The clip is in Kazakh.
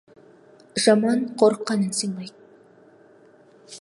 Жаман қорыққанын сыйлайды.